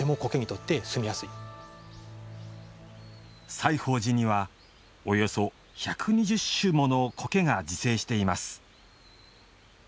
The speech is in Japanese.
西芳寺にはおよそ１２０種もの苔が自生しています。